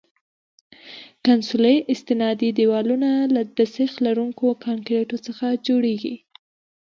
کنسولي استنادي دیوالونه د سیخ لرونکي کانکریټو څخه جوړیږي